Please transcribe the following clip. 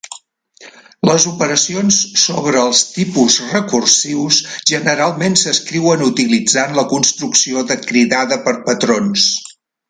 Les operacions sobre els tipus recursius generalment s'escriuen utilitzant la construcció de cridada per patrons.